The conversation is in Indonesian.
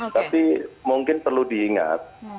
tapi mungkin perlu diingat